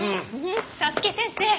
早月先生。